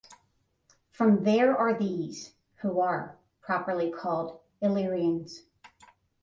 From there are these (who are) properly called Illyrians.